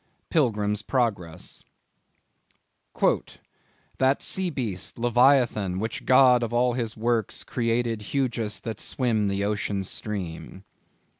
—Pilgrim's Progress. "That sea beast Leviathan, which God of all his works Created hugest that swim the ocean stream."